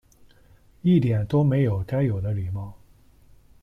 一点都没有该有的礼貌